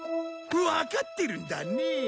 わかってるんだねえ。